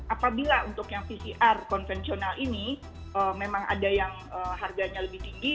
apabila untuk yang pcr konvensional ini memang ada yang harganya lebih tinggi